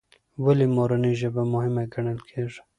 ولې مورنۍ ژبه مهمه ګڼل کېږي؟